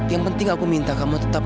yang penting aku minta kamu tetap